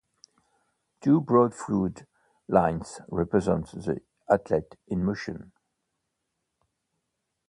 Two broad fluid lines represent the athlete in motion.